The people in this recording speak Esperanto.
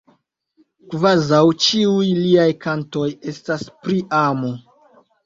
Kvazaŭ ĉiuj liaj kantoj estas pri amo.